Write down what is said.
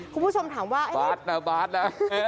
คุณผู้ชมถามว่าบาสนะบาทนะ